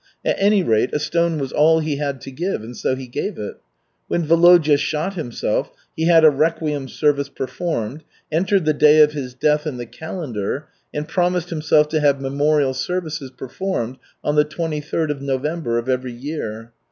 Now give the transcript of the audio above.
At any rate a stone was all he had to give, and so he gave it. When Volodya shot himself he had a requiem service performed, entered the day of his death in the calendar, and promised himself to have memorial services performed on the 23rd of November of every year.